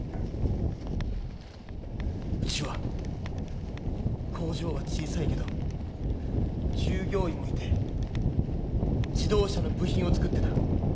うちは工場は小さいけど従業員もいて自動車の部品を作ってた。